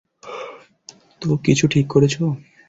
তো, কিছু ঠিক করেছ?